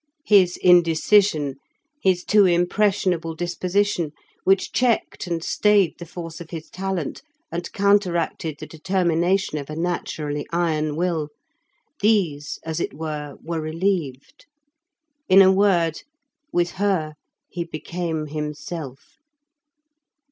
His indecision, his too impressionable disposition, which checked and stayed the force of his talent, and counteracted the determination of a naturally iron will; these, as it were, were relieved; in a word, with her he became himself.